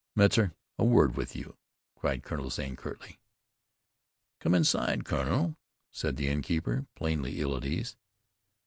"Metzar, a word with you," cried Colonel Zane curtly. "Come inside, kunnel," said the innkeeper, plainly ill at ease.